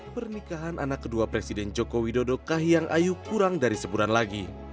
pernikahan anak kedua presiden joko widodo kahiyang ayu kurang dari sebulan lagi